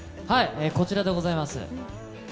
こちらでございます。